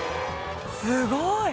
すごい。